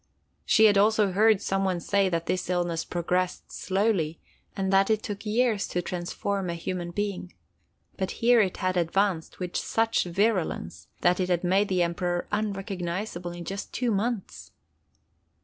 She had also heard some one say that this illness progressed slowly, and that it took years to transform a human being. But here it had advanced with such virulence that it had made the Emperor unrecognizable in just two months.